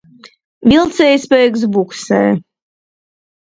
Vilcējspēks buksē.